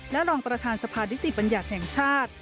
และรองประธานสภานิติบัญญัติแห่งชาติ